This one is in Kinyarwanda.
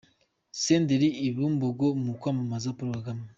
Senderi i Bumbogo mu kwamamaza Paul Kagame.